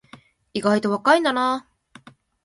意外と若いんだな